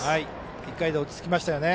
１回で落ち着きましたね。